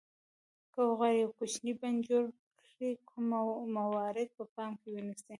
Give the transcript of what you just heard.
که وغواړئ یو کوچنی بڼ جوړ کړئ کوم موارد په پام کې ونیسئ.